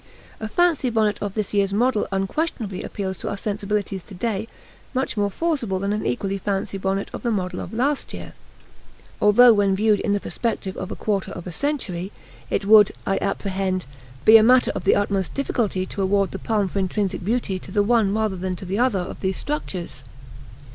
A fancy bonnet of this year's model unquestionably appeals to our sensibilities today much more forcibly than an equally fancy bonnet of the model of last year; although when viewed in the perspective of a quarter of a century, it would, I apprehend, be a matter of the utmost difficulty to award the palm for intrinsic beauty to the one rather than to the other of these structures.